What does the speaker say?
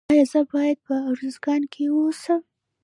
ایا زه باید په ارزګان کې اوسم؟